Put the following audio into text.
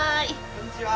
こんにちは。